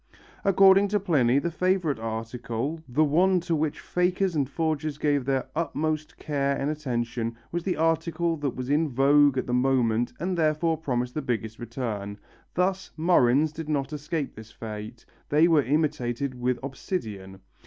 According to Pliny the favourite article, the one to which fakers and forgers gave their utmost care and attention, was the article that was in vogue at the moment and therefore promised the biggest return. Thus murrhines did not escape this fate, they were imitated with obsidian.